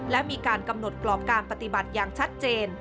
และมีการกำหนดกรอบการปฏิบัติอย่างชัดเจน